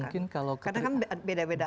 mungkin kalau karena kan beda beda